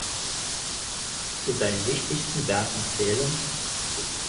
Zu seinen wichtigsten Werken zählen